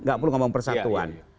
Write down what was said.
gak perlu ngomong persatuan